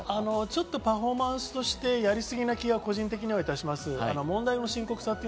ちょっとパフォーマンスとしてやりすぎな気が個人的にはいたします。